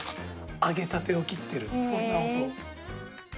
揚げたてを切ってるそんな音。